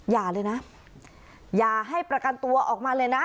อย่าเลยนะอย่าให้ประกันตัวออกมาเลยนะ